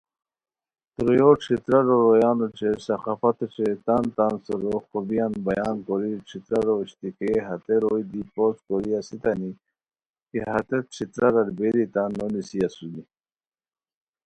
ترویو:ݯھترارو رویان اوچے ثقافتو اوچے تان تان سورو خوبیان بیان کوری(ݯھترارو اشتکھئیے ہتے روئے دی پوسٹ کوری اسیتانی کی ہتیت ݯھترارار بیری تان نونیسی اسونی)